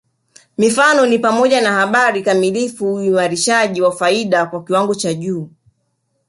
Mifano ni pamoja na habari kamilifu uimarishaji wa faida kwa kiwango cha juu